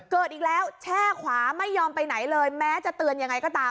เกิดอีกแล้วแช่ขวาไม่ยอมไปไหนเลยแม้จะเตือนยังไงก็ตาม